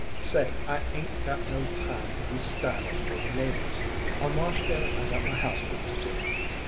"Say, I 'ain't got no time to be stylish for the neighbors. On wash day I got my housework to do.